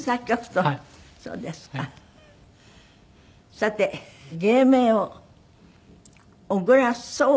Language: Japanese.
さて芸名を小倉そう。